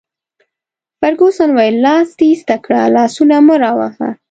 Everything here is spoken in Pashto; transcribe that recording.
فرګوسن وویل: لاس دي ایسته کړه، لاسونه مه راوهه.